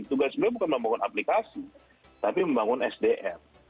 tugas sebenarnya bukan membangun aplikasi tapi membangun sdm